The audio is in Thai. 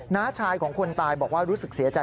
้าชายของคนตายบอกว่ารู้สึกเสียใจ